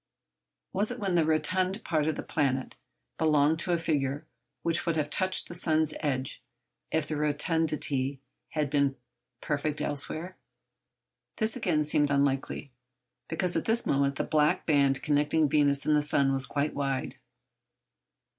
Was it when the rotund part of the planet belonged to a figure which would have touched the sun's edge if the rotundity had been perfect elsewhere? This, again, seemed unlikely, because at this moment the black band connecting Venus and the sun was quite wide.